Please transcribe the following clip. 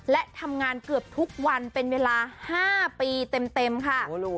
และทำงานเกือบทุกวันเป็นเวลา๕ปีเต็มค่ะ